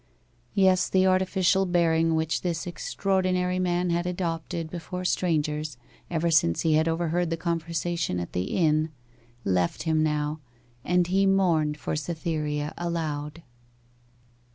Yes, the artificial bearing which this extraordinary man had adopted before strangers ever since he had overheard the conversation at the inn, left him now, and he mourned for Cytherea aloud.